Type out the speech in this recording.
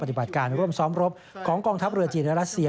ปฏิบัติการร่วมซ้อมรบของกองทัพเรือจีนและรัสเซีย